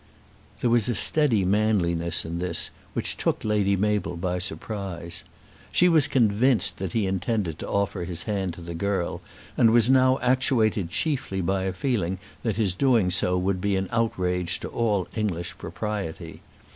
There was a steady manliness in this which took Lady Mabel by surprise. She was convinced that he intended to offer his hand to the girl, and now was actuated chiefly by a feeling that his doing so would be an outrage to all English propriety.